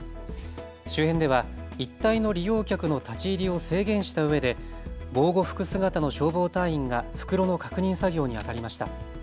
周辺では一帯の利用客の立ち入りを制限したうえで防護服姿の消防隊員が袋の確認作業にあたりました。